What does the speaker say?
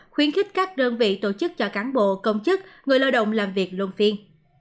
khuyến khích các đơn vị tổ chức cho cán bộ công chức người lao động làm việc luân phiên